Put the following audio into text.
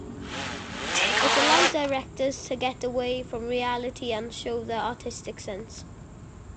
It allowed directors to get away from reality and show their artistic sense.